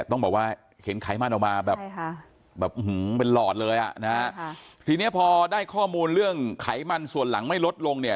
ต้องบอกว่าเห็นไขมันออกมาแบบเป็นหลอดเลยอ่ะนะฮะทีนี้พอได้ข้อมูลเรื่องไขมันส่วนหลังไม่ลดลงเนี่ย